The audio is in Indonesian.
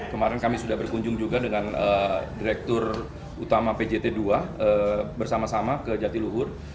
kemarin kami sudah berkunjung juga dengan direktur utama pjt ii bersama sama ke jatiluhur